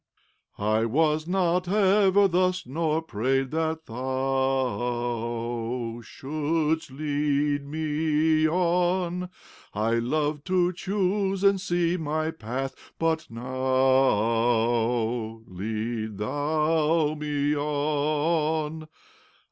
I was not ever thus, nor prayed that Thou Shouldst lead me on; I loved to choose and see my path; but now Lead Thou me on.